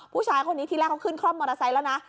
ผู้ชายคนนี้ที่แรกเขาขึ้นคล่อมมอเตอร์ไซค์แล้วนะ